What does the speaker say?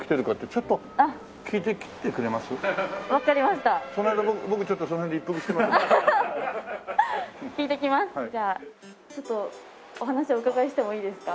ちょっとお話をお伺いしてもいいですか？